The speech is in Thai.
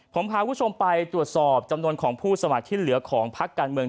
ผมพาคุณผู้ชมไปตรวจสอบจำนวนของผู้สมัครที่เหลือของพักการเมือง